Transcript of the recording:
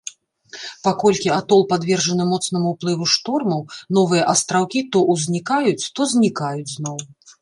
Паколькі атол падвержаны моцнаму ўплыву штормаў, новыя астраўкі то ўзнікаюць, то знікаюць зноў.